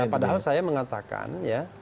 padahal saya mengatakan